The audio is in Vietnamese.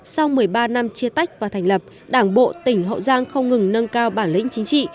sau một mươi ba năm chia tách và thành lập đảng bộ tỉnh hậu giang không ngừng nâng cao bản lĩnh chính trị